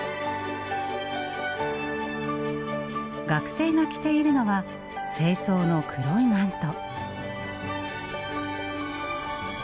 学生が着ているのは正装の黒いマント。